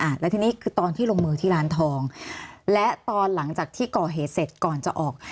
แล้วทีนี้คือตอนที่ลงมือที่ร้านทองและตอนหลังจากที่ก่อเหตุเสร็จก่อนจะออก